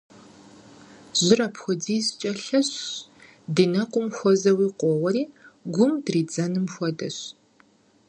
Жьыр апхуэдизкӏэ лъэщщ, ди нэкӏум хуэзэуи къоуэри гум дыридзыным хуэдэщ.